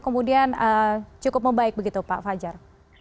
kemudian cukup membaik begitu pak fajar